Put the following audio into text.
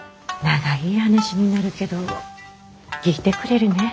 長い話になるけど聞いてくれるねぇ？